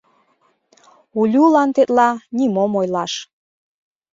Улюлан тетла нимом ойлаш.